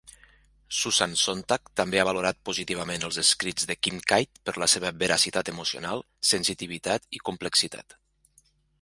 Susan Sontag també ha valorat positivament els escrits de Kincaid per la seva "veracitat emocional", sensitivitat i complexitat.